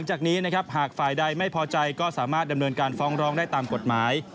หากฝ่ายใดไม่พอใจก็สามารถดำเนินการฟ้องรองได้ตามกฎหมาย